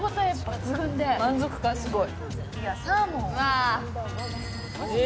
満足感すごい。